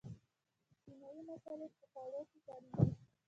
چیني مسالې په خوړو کې کاریږي.